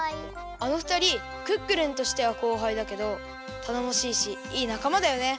あのふたりクックルンとしてはこうはいだけどたのもしいしいいなかまだよね。